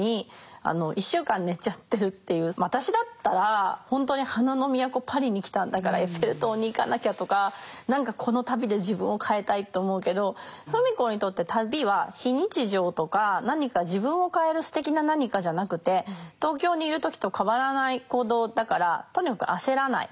そもそも私だったら本当に花の都パリに来たんだからエッフェル塔に行かなきゃとか何かこの旅で自分を変えたいと思うけど自分を変えるすてきな何かじゃなくて東京にいる時と変わらない行動だからとにかく焦らない。